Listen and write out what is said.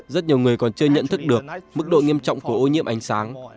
rất nhiều người còn chưa nhận thức được mức độ nghiêm trọng của ô nhiễm ánh sáng